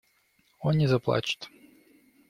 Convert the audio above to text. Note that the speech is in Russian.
Он не заплачет.